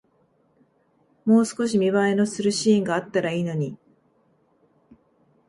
もう少し見栄えのするシーンがあったらいいのに